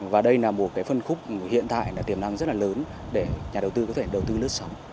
và đây là một phân khúc hiện tại tiềm năng rất là lớn để nhà đầu tư có thể đầu tư lướt sóng